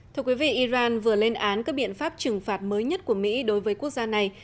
thưa quý vị iran vừa lên án các biện pháp trừng phạt mới nhất của mỹ đối với quốc gia này